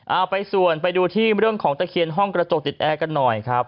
เอาไปส่วนไปดูที่เรื่องของตะเคียนห้องกระจกติดแอร์กันหน่อยครับ